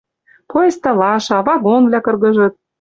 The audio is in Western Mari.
Поезд талаша, вагонвлӓ кыргыжыт